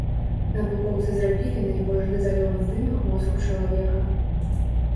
Навукоўцы зрабілі найбольш дэталёвы здымак мозгу чалавека.